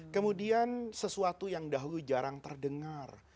kemudian sesuatu yang dahulu jarang terdengar